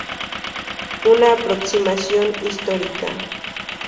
Una aproximación histórica".